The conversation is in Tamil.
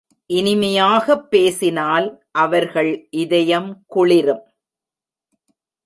இனிமையாகப் பேசினால் அவர்கள் இதயம் குளிரும்.